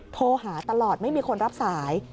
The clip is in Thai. โทรหาตลอดไม่มีคนรับสาย